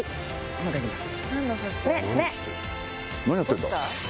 何やってんだ？